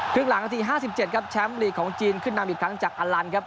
ครึ่งหลังนาที๕๗ครับแชมป์ลีกของจีนขึ้นนำอีกครั้งจากอลันครับ